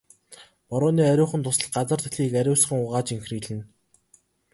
Борооны ариухан дусал газар дэлхийг ариусган угааж энхрийлнэ.